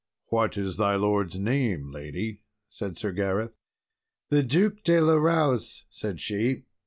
"What is thy lord's name, lady?" said Sir Gareth. "The Duke de la Rowse," said she.